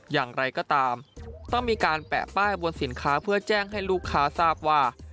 อย่างไรก็ตามต้องมีการแปะป้ายบนสินค้าเพื่อแจ้งให้ลูกค้าทราบว่า